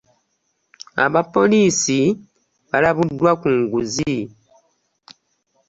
Abapoliisi balabuddwa ku nguzi.